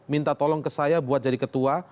minta tolong ke saya buat jadi ketua